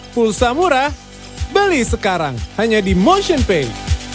pulsa murah beli sekarang hanya di motionpay